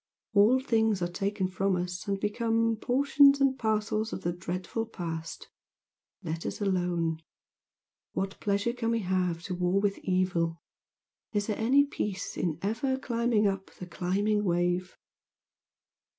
All things are taken from us and become Portions and parcels of the dreadful Past, Let us alone. What pleasure can we have To war with evil? Is there any peace In ever climbing up the climbing wave?"